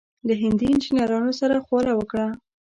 له هندي انجنیرانو سره خواله وکړه.